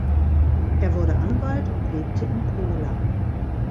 Er wurde Anwalt und lebte in Pola.